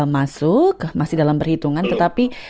masuk masih dalam perhitungan tetapi